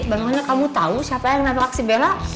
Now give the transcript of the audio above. bagaimana kamu tahu siapa yang nanti aksi bela